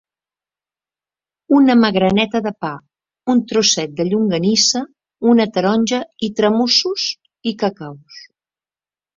Una magraneta de pa, un trosset de llonganissa, una taronja i tramussos i cacaus.